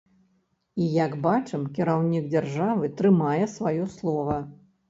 І як бачым, кіраўнік дзяржавы трымае сваё слова.